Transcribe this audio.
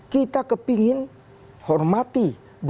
kita kepingin hormati